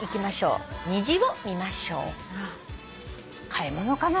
「買い物」かな。